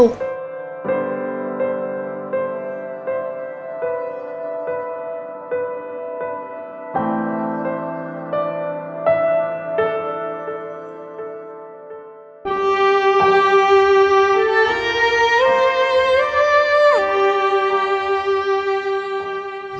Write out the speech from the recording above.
จบลงโดยเค็มส่วนทุน